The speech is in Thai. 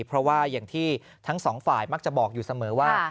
เพราะว่าอย่างที่ทั้งสองฝ่ายมักจะบอกอยู่เสมอว่า